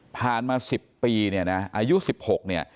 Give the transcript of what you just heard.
ผ่านมาสิบปีเนี่ยนะอายุสิบหกเนี่ย